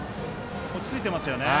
落ち着いていますね。